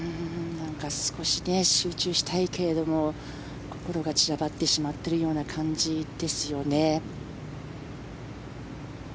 少し集中したいけれども心が散らばってしまっているような感じですよね。